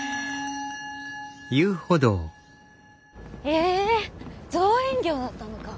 え造園業だったのか。